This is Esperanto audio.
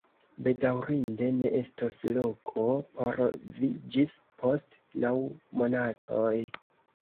Bedaŭrinde ne estos loko por vi ĝis post naŭ monatoj.